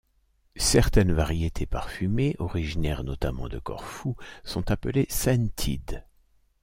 Certaines variétés parfumées, originaires notamment de Corfou, sont appelées ‘scented’.